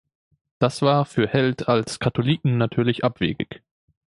Das war für Held als Katholiken natürlich abwegig.